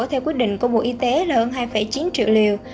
theo quyết định của bộ y tế là hơn hai chín triệu liều